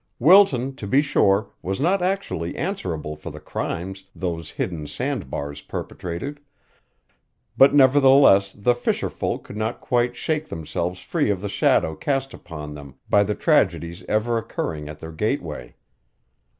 Wilton, to be sure, was not actually answerable for the crimes those hidden sand bars perpetrated, but nevertheless the fisherfolk could not quite shake themselves free of the shadow cast upon them by the tragedies ever occurring at their gateway.